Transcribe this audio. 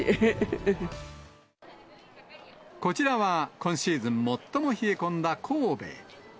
こちらは、今シーズン最も冷え込んだ神戸。